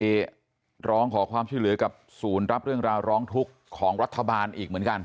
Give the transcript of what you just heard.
ไปร้องขอความช่วยเหลือกับศูนย์รับเรื่องราวร้องทุกข์ของรัฐบาลอีกเหมือนกัน